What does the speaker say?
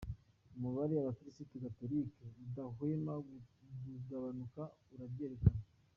Umubare abakristu gatolika udahwema kugabanuka urabyerekana.